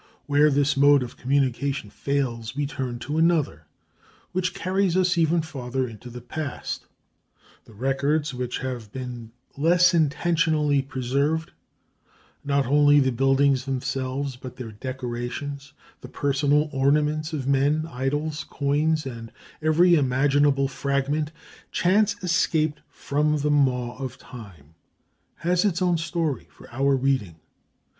] Where this mode of communication fails, we turn to another which carries us even farther into the past. The records which have been less intentionally preserved, not only the buildings themselves, but their decorations, the personal ornaments of men, idols, coins, every imaginable fragment, chance escaped from the maw of time, has its own story for our reading.